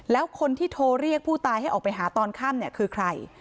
แล้วคนที่โทรเรียกผู้ตายให้ออกไปหาตอนค่ำเนี่ยคือใคร